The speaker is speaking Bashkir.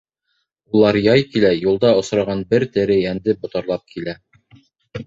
Улар яй килә, юлда осраған бер тере йәнде ботарлап килә.